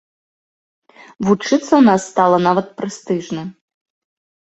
Вучыцца ў нас стала нават прэстыжна.